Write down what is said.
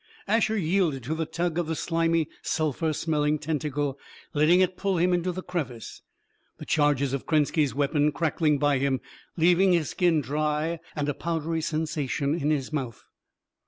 Asher yielded to the tug of the slimy, sulphur smelling tentacle, letting it pull him into the crevice, the charges of Krenski's weapon crackling by him, leaving his skin dry, and a powdery sensation in his mouth.